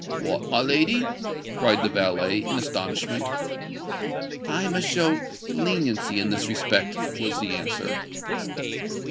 "What, my lady?" cried the valet, in astonishment. "I must show leniency in this respect," was the answer.